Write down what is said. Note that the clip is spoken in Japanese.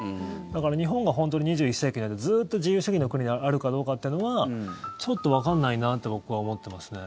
だから、日本が本当に２１世紀の間ずっと自由主義の国であるかどうかというのはちょっとわかんないなって僕は思ってますね。